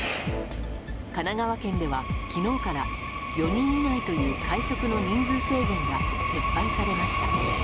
神奈川県では昨日から４人以内という会食の人数制限が撤廃されました。